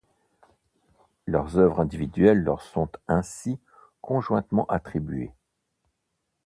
Leurs œuvres individuelles leur sont ainsi conjointement attribuées.